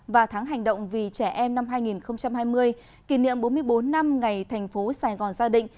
và tháng hành động vì trẻ em năm hai nghìn hai mươi kỷ niệm bốn mươi bốn năm ngày thành phố sài gòn gia đình